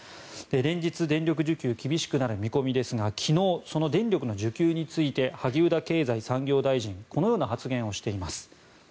連日、電力需給が厳しくなる見込みですが昨日、その電力の需給について萩生田経済産業大臣はこのような発言をしています。